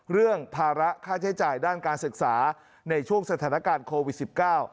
เรื่องภาระค่าใช้จ่ายด้านการศึกษาในช่วงสถานการณ์โควิดสิบเก้า